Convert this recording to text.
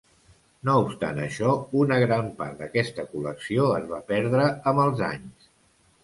No obstant això, una gran part d'aquesta col·lecció es va perdre amb els anys.